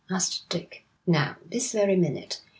asked Dick. 'Now, this very minute.